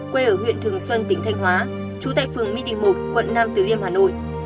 quê ở huyện thường xuân tỉnh thanh hóa trú tại phường mi đình một quận năm tứ liêm hà nội